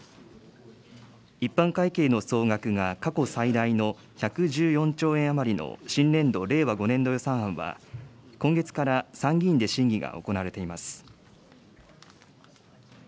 一般会計の総額が過去最大の１１４兆円余りの新年度・令和５年度予算案は、今月から参議院で審議が行われています。